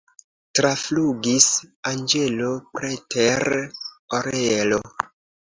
Traflugis anĝelo preter orelo.